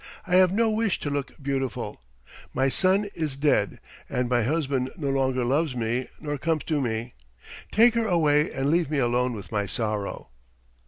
"I have no wish to look beautiful. My son is dead and my husband no longer loves me nor comes to me. Take her away and leave me alone with my sorrow."